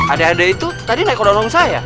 adik adik itu tadi naik ke nolong saya